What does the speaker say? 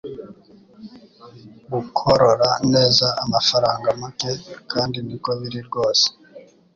Gukorora neza amafaranga make kandi niko biri rwose